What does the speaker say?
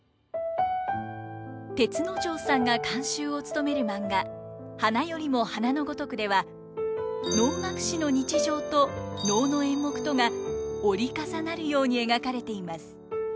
銕之丞さんが監修を務めるマンガ「花よりも花の如く」では能楽師の日常と能の演目とが折り重なるように描かれています。